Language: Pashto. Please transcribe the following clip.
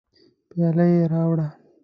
پیاله یې راوړه.